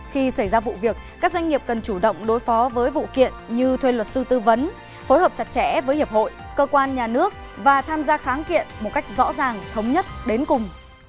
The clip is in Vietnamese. khi xảy ra vụ việc các doanh nghiệp cần chủ động đối phó với vụ kiện như thuê luật sư tư vấn phối hợp chặt chẽ với hiệp hội cơ quan nhà nước và tham gia kháng kiện một cách rõ ràng thống nhất đến cùng